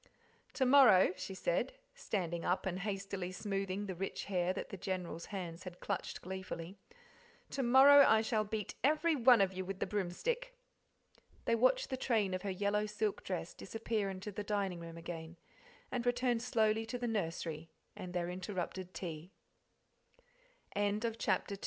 "To morrow," she said, standing up and hastily smoothing the rich hair that the General's hands had clutched gleefully "to morrow I shall beat every one of you with the broomstick." They watched the train of her yellow' silk dress disappear into the dining room again, and returned slowly to the nursery and their interrupted tea. CHAPTER III Virtue Not Alw